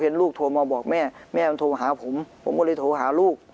ลูกโทรมาบอกแม่แม่มันโทรมาหาผมผมก็เลยโทรหาลูก